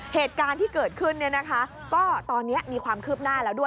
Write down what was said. เหตุการณ์ที่เกิดขึ้นเนี่ยนะคะก็ตอนนี้มีความคืบหน้าแล้วด้วย